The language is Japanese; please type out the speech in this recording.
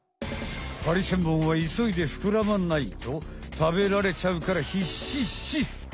ハリセンボンはいそいでふくらまないとたべられちゃうからひっしっし！